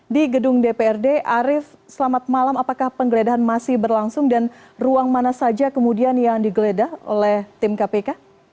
di gedung dprd arief selamat malam apakah penggeledahan masih berlangsung dan ruang mana saja kemudian yang digeledah oleh tim kpk